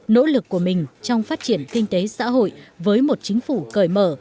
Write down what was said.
nỗ lực của mình trong phát triển kinh tế xã hội với một chính phủ cởi mở